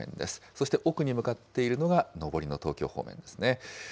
そして奥に向かっているのが上りの東京方面ですね。